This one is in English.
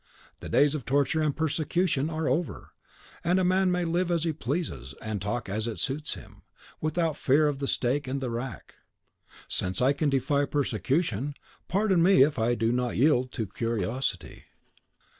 The days of torture and persecution are over; and a man may live as he pleases, and talk as it suits him, without fear of the stake and the rack. Since I can defy persecution, pardon me if I do not yield to curiosity."